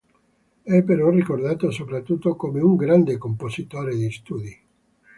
È però ricordato soprattutto come un grande compositore di studi.